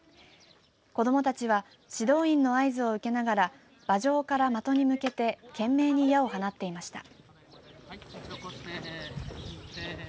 子どもたちは指導員の合図を受けながら馬上から的に向けて懸命に矢を放っていました。